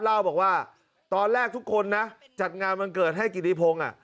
เล่าบอกว่าตอนแรกทุกคนนะจัดงานวันเกิดให้กิติพงศ์